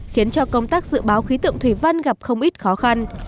khiến cho công tác dự báo khí tượng thủy văn gặp không ít khó khăn